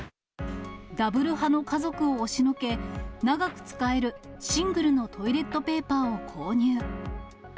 ダブル派の家族を押しのけ、長く使えるシングルのトイレットペーパーを購入。